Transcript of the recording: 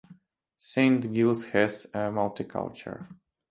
Saint-Gilles has a multicultural identity stemming from its diverse population.